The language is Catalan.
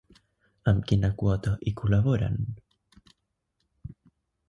Amb quina quota hi col·laboren?